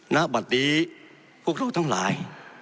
ณบัตรนี้พวกเราทั้งหลาย